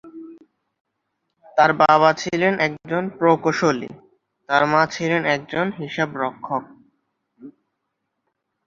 তার বাবা ছিলেন একজন প্রকৌশলী, তার মা ছিলেন একজন হিসাবরক্ষক।